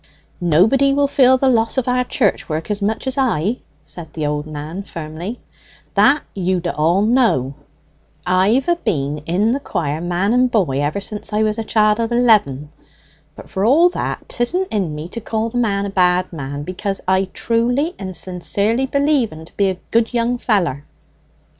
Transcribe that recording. "Nobody will feel the loss of our church work so much as I," said the old man firmly; "that you d'all know. I've a been in the quire man and boy ever since I was a chiel of eleven. But for all that 'tisn't in me to call the man a bad man, because I truly and sincerely believe en to be a good young feller."